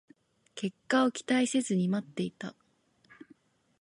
結果を期待せずに待ってた